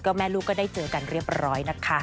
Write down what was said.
แม่ลูกก็ได้เจอกันเรียบร้อยนะคะ